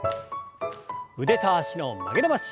腕と脚の曲げ伸ばし。